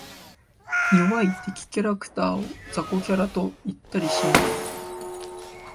弱い敵キャラクターを雑魚キャラと言ったりします。